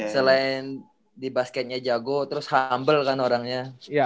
selain di basketnya jago terus humble kan orangnya